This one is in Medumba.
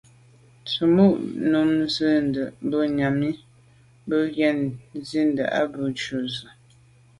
Tsə̀mô' nǔm zí'də́ tɔ̌ bû'ŋwànì mə̀ mə̀ ŋgə́ zí'də́ á bû jû tswì.